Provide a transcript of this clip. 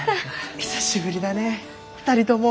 久しぶりだね２人とも。